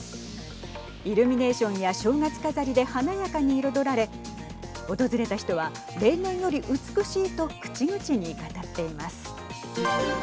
イルミネーションや正月飾りで華やかに彩られ訪れた人は例年より美しいと口々に語っています。